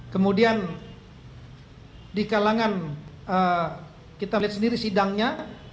kemudian di kalangan kita lihat sendiri sidangnya